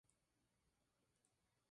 Es una planta anual; decumbente.